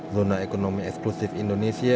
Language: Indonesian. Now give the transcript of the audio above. zona ekonomi eksklusif indonesia